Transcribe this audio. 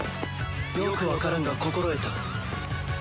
よくわからんが心得た。